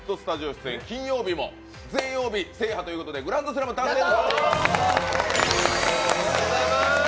出演金曜日も全曜日制覇ということで、グランドスラム達成です！